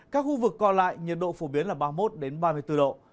các khu vực còn lại nhiệt độ phổ biến là ba mươi một ba mươi bốn độ